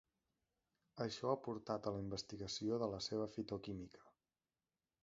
Això ha portat a la investigació de la seva fitoquímica.